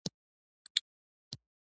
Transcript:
زه به خپله لاره تعقیب کړم.